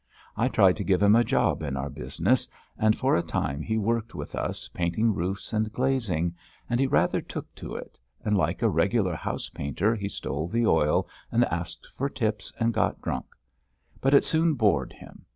I tried to give him a job in our business, and for a time he worked with us painting roofs and glazing, and he rather took to it, and, like a regular house painter, he stole the oil, and asked for tips, and got drunk. But it soon bored him.